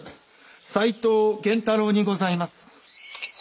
斎藤源太郎にございます